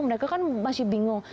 mereka kan masih bingung